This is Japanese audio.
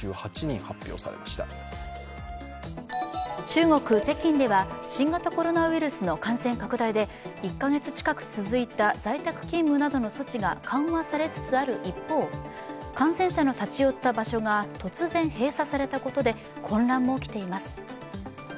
中国・北京では新型コロナウイルスの感染拡大で１カ月近く続いた、在宅勤務などの措置が緩和されつつある一方、感染者の立ち寄った場所が突然閉鎖されたことで混乱も起きています。